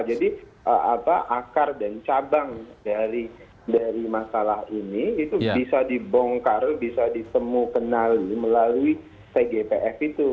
jadi apa akar dan cabang dari masalah ini itu bisa dibongkar bisa disemu kenali melalui tgpf itu